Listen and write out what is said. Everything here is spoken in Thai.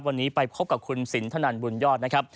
วันนี้ไปพบกับคุณสินทนันบุญยอดนะครับ